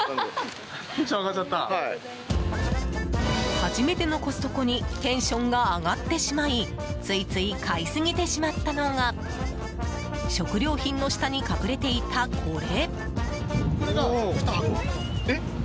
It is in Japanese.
初めてのコストコにテンションが上がってしまいついつい買いすぎてしまったのが食料品の下に隠れていた、これ。